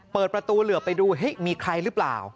เปิดประตูเหลือไปดูเฮ้ยมีใครหรือเปล่า